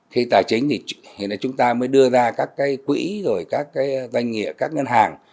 khi tài chính chúng ta mới đưa ra các quỹ các doanh nghiệp các ngân hàng